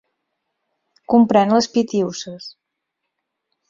Comprèn les Pitiüses.